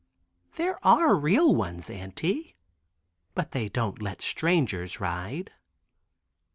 "There are real ones, Auntie, but they do not let strangers ride."